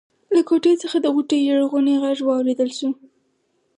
له کوټې څخه د غوټۍ ژړغونی غږ واورېدل شو.